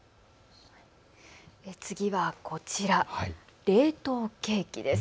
次はこちら、冷凍ケーキです。